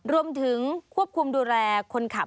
รวมถึงควบคุมดูแลคนขับ